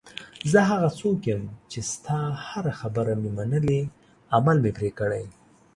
زه هغه څوک یم چې ستا هره خبره مې منلې، عمل مې پرې کړی.